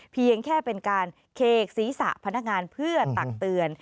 เพียงแค่เป็นการเคกศีรษะพนักงานเพื่อตักเตือน